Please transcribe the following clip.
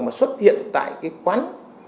mà xuất hiện tại cái quán